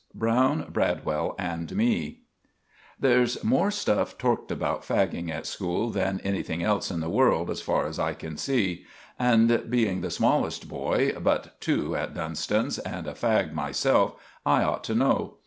Browne, Bradwell, and Me There's more stuff torked about fagging at school than anything else in the world, as far as I can see; and being the smalest boy but two at Dunston's, and a fag myself, I ought to know.